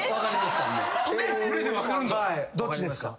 どっちですか？